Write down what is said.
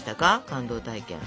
感動体験。